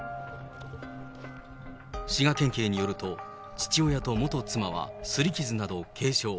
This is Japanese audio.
滋賀県警によると、父親と元妻はすり傷など軽傷。